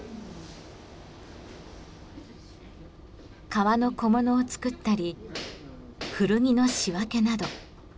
革の小物を作ったり古着の仕分けなど。